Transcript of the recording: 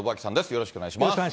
よろしくお願いします。